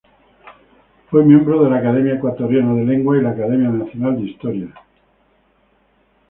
Fue miembro de la Academia Ecuatoriana de Lengua y la Academia Nacional de Historia.